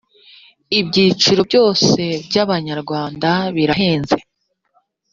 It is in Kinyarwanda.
ibyiciro byose by abanyarwanda birahenze